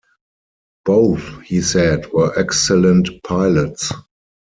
Both he said were excellent pilots.